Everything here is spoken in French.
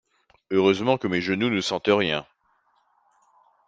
Heureusement que mes genoux ne sentent rien.